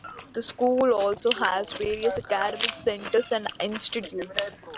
The school also has various Academic Centers and Institutes.